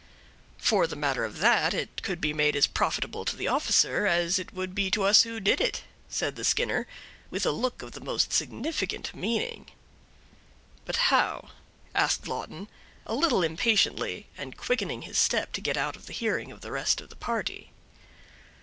"For the matter of that, it could be made as profitable to the officer as it would be to us who did it," said the Skinner, with a look of the most significant meaning. "But how?" asked Lawton, a little impatiently, and quickening his step to get out of the hearing of the rest of the party.